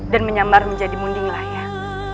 dan menyambar menjadi munding layak